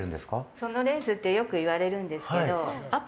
そのレースってよく言われるんですけど。